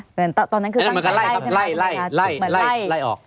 เหมือนไล่ออก